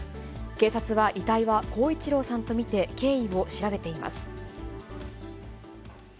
警察は、遺体は孝一郎さんと見て、経緯を調べています。